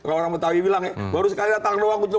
kalau orang betawi bilang baru sekali datang doang